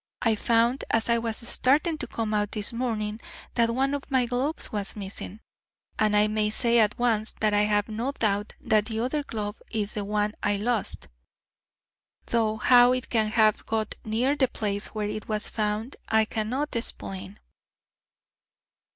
"I found as I was starting to come out this morning that one of my gloves was missing, and I may say at once that I have no doubt that the other glove is the one I lost; though how it can have got near the place where it was found I cannot explain."